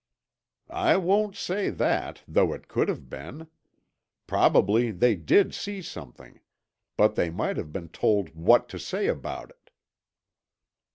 "I won't say that, though it could have been. Probably they did see something. But they might have been told what to say about it."